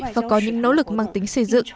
và có những nỗ lực mang tính xây dựng